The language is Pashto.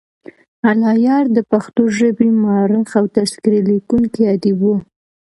الله یار دپښتو ژبې مؤرخ او تذکرې لیکونی ادیب وو.